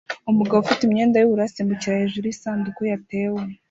Umugabo ufite imyenda yubururu asimbukira hejuru yisanduku yatewe